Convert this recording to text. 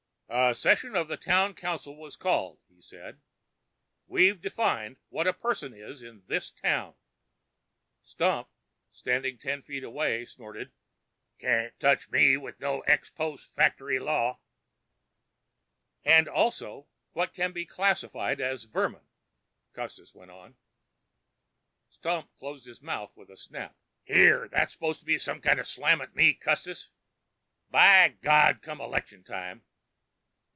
"A session of the Town Council was called," he said. "We've defined what a person is in this town " Stump, standing ten feet away, snorted. "Can't touch me with no ex post factory law." " and also what can be classified as vermin," Custis went on. Stump closed his mouth with a snap. "Here, that s'posed to be some kind of slam at me, Custis? By God, come election time...."